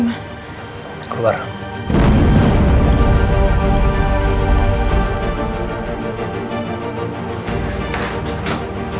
mas ini udah selesai